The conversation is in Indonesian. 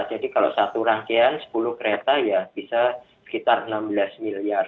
jadi kalau satu rangkaian sepuluh kereta ya bisa sekitar enam belas miliar